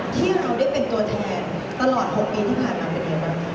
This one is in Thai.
ที่เราได้เป็นตัวแทนตลอด๖ปีที่ผ่านมาเป็นยังไงบ้าง